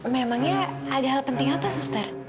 memangnya ada hal penting apa suster